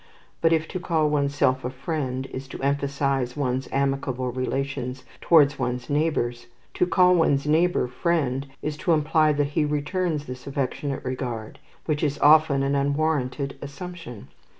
But if to call oneself a "Friend" is to emphasize one's amicable relations towards one's neighbour, to call one's neighbour "Friend" is to imply that he returns this affectionate regard, which is often an unwarranted assumption.